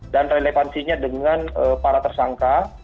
dan relevansinya dengan para tersangka